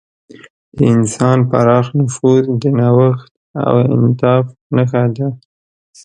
د انسان پراخ نفوذ د نوښت او انعطاف نښه ده.